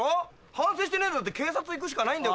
反省してねえんだったら警察行くしかないんだよ